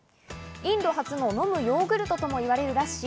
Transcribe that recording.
インド発の飲むヨーグルトともいわれるラッシー。